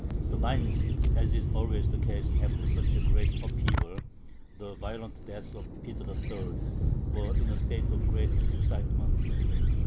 The minds, as is always the case after such a great upheaval [the violent death of Peter III.], were in a state of great excitement.